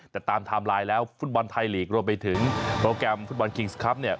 แต่ตามไทม์ไลน์แล้วฟุตบอลไทยลีกรวมไปถึงโปรแกรมฟุตบอลคิงส์ครับเนี่ย